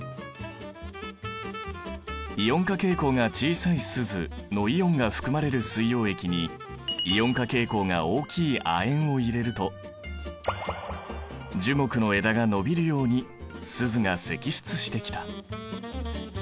イオン化傾向が小さいスズのイオンが含まれる水溶液にイオン化傾向が大きい亜鉛を入れると樹木の枝が伸びるようにスズが析出してきた。